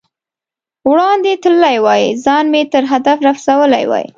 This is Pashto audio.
وړاندې تللی وای، ځان مې تر هدف رسولی وای.